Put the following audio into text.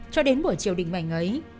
cho đến buổi chiều đỉnh mảnh ấy